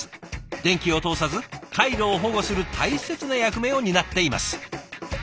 電気を通さず回路を保護する大切な役目を担っています。